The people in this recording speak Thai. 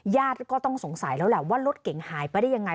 ญาติก็ต้องสงสัยแล้วแหละว่ารถเก๋งหายไปได้ยังไง